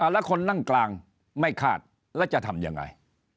แล้วคนนั่งกลางไม่คาดแล้วจะทำยังไง